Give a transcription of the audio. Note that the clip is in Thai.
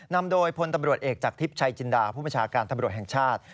นำโดยพลตำรวจเอกจากทิพย์ชัยจินดาผู้บัญชาการตำรวจแห่งชาติ